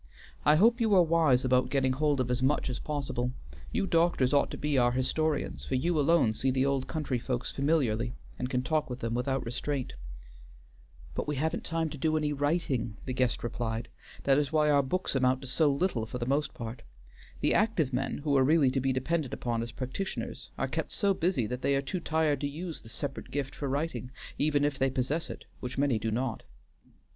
I hope you are wise about getting hold of as much as possible. You doctors ought to be our historians, for you alone see the old country folks familiarly and can talk with them without restraint." "But we haven't time to do any writing," the guest replied. "That is why our books amount to so little for the most part. The active men, who are really to be depended upon as practitioners, are kept so busy that they are too tired to use the separate gift for writing, even if they possess it, which many do not.